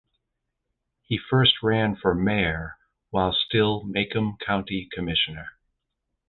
He first ran for Mayor while still Macomb County Commissioner.